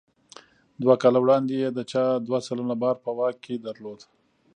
دوه کاله وړاندې یې د چای دوه سلنه بازار په واک کې درلود.